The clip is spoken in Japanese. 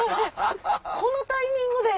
このタイミングで？